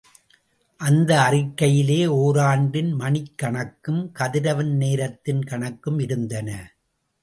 அந்த அறிக்கையிலே, ஓராண்டின், மணிக்கணக்கும், கதிரவன் நேரத்தின் கணக்கும் இருந்தன.